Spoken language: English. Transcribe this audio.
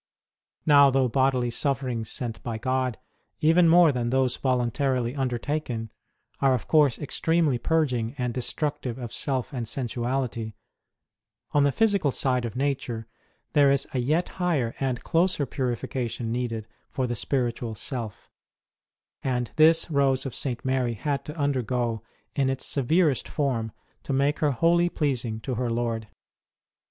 Now, though bodily sufferings sent by God, even more than those voluntarily undertaken, are of course extremely purging and destructive of self and sensuality, on the physical side of nature, there is a yet higher and closer purification needed for the spiritual self ; and this Rose of St. Mary had to undergo in its severest form to make her wholly pleasing to her Lord.